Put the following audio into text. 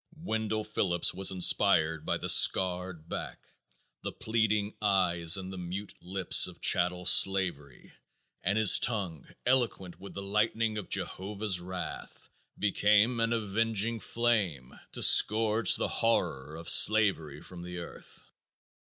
Wendell Phillips was inspired by the scarred back, the pleading eyes, and the mute lips of chattel slavery and his tongue, eloquent with the lightning of Jehovah's wrath, became an avenging flame to scourge the horror of slavery from the earth.